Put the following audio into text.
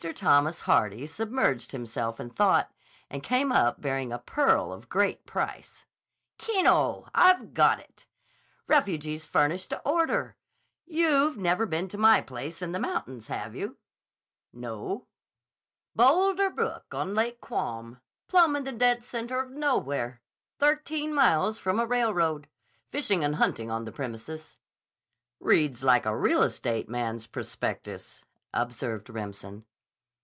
Thomas Harmon submerged himself in thought and came up bearing a pearl of great price. "Keno! I've got it. Refuges furnished to order. You've never been to my place in the mountains, have you?" "No." "Boulder Brook on Lake Quam. Plumb in the dead center of nowhere. Thirteen miles from a railroad. Fishing and hunting on the premises." "Reads like a real estate man's prospectus," observed Remsen.